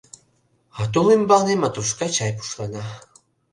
А тул ӱмбалне матрушка чай пушлана.